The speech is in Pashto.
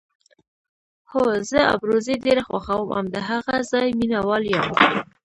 هو، زه ابروزي ډېره خوښوم او د هغه ځای مینه وال یم.